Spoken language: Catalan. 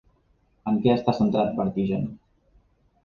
En què està centrat Vertigen?